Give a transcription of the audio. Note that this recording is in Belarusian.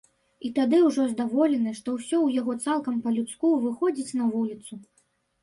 І тады ўжо здаволены, што ўсё ў яго цалкам па-людску, выходзіць на вуліцу.